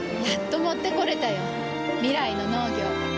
やっと持ってこれたよ。未来の農業。